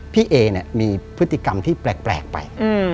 พี่เอเนี่ยมีพฤติกรรมที่แปลกไป